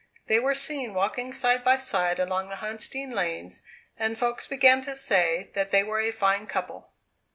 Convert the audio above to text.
They were seen walking side by side along the Huntsdean lanes, and folks began to say that they were a fine couple.